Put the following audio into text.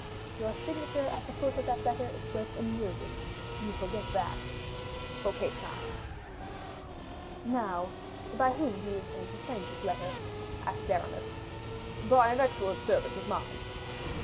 "Your signature at the foot of that letter is worth a million; you forget that." Fouquet signed. "Now, by whom do you intend to send this letter?" asked Aramis. "By an excellent servant of mine."